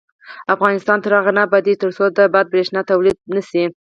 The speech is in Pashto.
افغانستان تر هغو نه ابادیږي، ترڅو د باد بریښنا تولید نشي.